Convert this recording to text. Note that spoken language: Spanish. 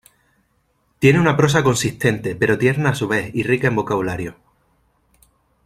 Tiene una prosa consistente pero tierna a su vez y rica en vocabulario.